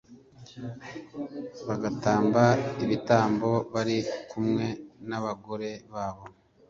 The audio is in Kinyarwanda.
bagatamba ibitambo bari kumwe n abagore babo